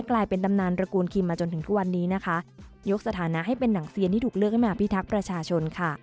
กลายเป็นตำนานตระกูลคิมมาจนถึงทุกวันนี้นะคะยกสถานะให้เป็นหนังเซียนที่ถูกเลือกให้มาพิทักษ์ประชาชนค่ะ